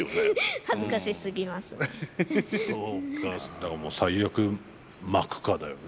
だから最悪まくかだよね。